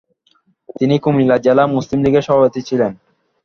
তিনি কুমিল্লা জেলা মুসলিম লীগের সভাপতি ছিলেন।